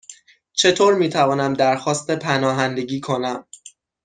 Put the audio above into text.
چطور می توانم درخواست پناهندگی کنم؟